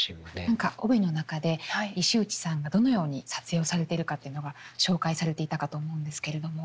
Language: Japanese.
何か帯の中で石内さんがどのように撮影をされているかっていうのが紹介されていたかと思うんですけれども。